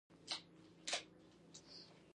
وروسته څو نمونې یادې کړو